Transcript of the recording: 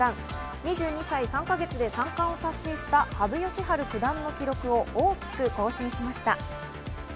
２２歳３か月で三冠を達成した羽生善治九段の記録を大きく更新しました。